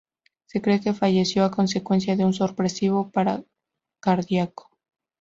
Se cree que falleció a consecuencia de un sorpresivo paro cardíaco.